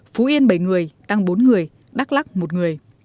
phú yên bảy người tăng bốn người đắk lắc một người